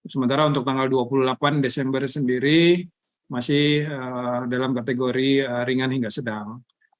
sementara untuk tanggal dua puluh delapan desember sendiri masih dalam kategori ringan hingga sedang